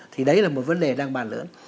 thì đấy là một vấn đề đang bàn lưỡng